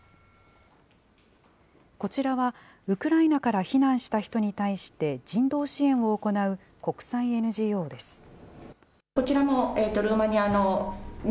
こちらは、ウクライナから避難した人に対して人道支援を行う国際ＮＧＯです。